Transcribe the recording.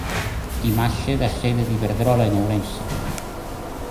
Imaxe da sede de Iberdrola en Ourense.